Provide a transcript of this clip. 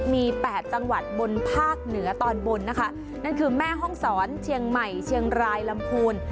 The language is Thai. มี๘จังหวัดบนภาคเหนือตอนบนนะคะนั่นคือแม่ห้องศรเชียงใหม่เชียงรายลำพูน